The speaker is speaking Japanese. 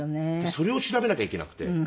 それを調べなきゃいけなくて。